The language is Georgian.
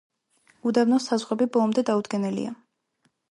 უდაბნოს საზღვრები ბოლომდე დაუდგენელია.